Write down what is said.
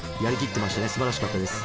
すばらしかったです。